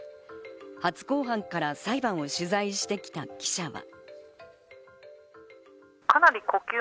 初公判から裁判を取材してきた記者は。